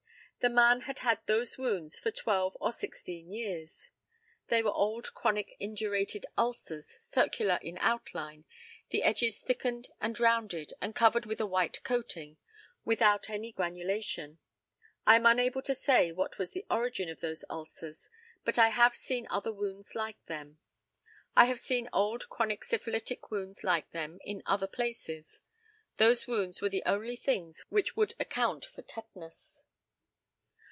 The man had had those wounds for twelve or sixteen years. They were old chronic indurated ulcers, circular in outline, the edges thickened and rounded, and covered with a white coating, without any granulation. I am unable to say what was the origin of those ulcers, but I have seen other wounds like them. I have seen old chronic syphilitic wounds like them in other places. Those wounds were the only things which would account for tetanus.